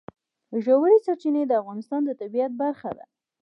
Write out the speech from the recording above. ژورې سرچینې د افغانستان د طبیعت برخه ده.